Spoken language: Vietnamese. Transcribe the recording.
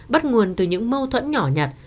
bắt nguồn từ những mâu thuẫn nhỏ nhặt